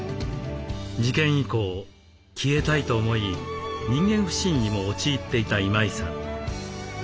事件以降消えたいと思い人間不信にも陥っていた今井さん。